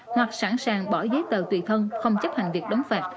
hoặc sẵn sàng bỏ giấy tờ tùy thân không chấp hành việc đóng phạt